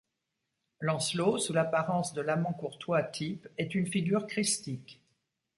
Lancelot, sous l'apparence de l'amant courtois type, est une figure christique.